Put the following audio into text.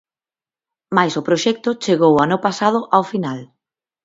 Mais o proxecto chegou o ano pasado ao final.